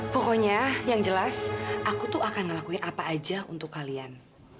pokoknya yang jelas aku tuh akan ngelakuin apa aja untuk kalian